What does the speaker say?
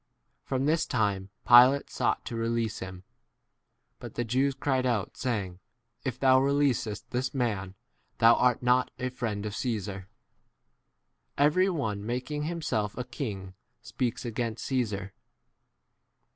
From this time Pilate sought to release him ; but the Jews cried out, saying, If thou releasest this [man] thou art not a friend of Caesar. Every one making himself a king speaks 13 against Caesar.